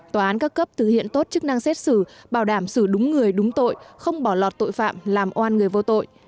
tòa án các cấp thực hiện tốt chức năng xét xử bảo đảm xử đúng người đúng tội không bỏ lọt tội phạm làm oan người vô tội